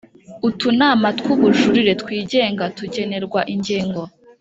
Utunama tw ububujurire twigenga tugenerwa ingengo